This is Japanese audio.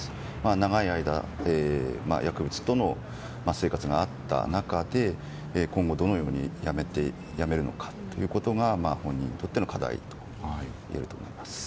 長い間、薬物との生活があった中今後、どのようにやめるのかということが本人にとっての課題といえると思います。